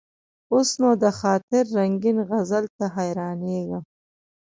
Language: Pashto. اوس نو: د خاطر رنګین غزل ته حیرانېږم.